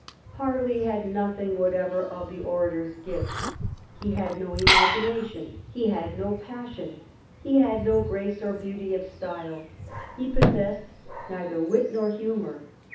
Harley had nothing whatever of the orator's gifts. He had no imagination ; he had no passion ; he had no grace or beauty of style; he possessed neither wit nor humour.